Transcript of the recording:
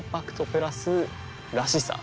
プラス「らしさ」